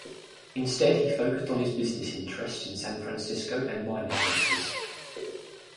Instead, he focused on his business interests in San Francisco and mining ventures.